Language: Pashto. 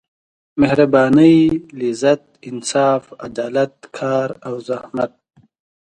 مهربانۍ لذت انصاف عدالت کار او زحمت.